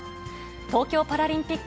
東京パラリンピック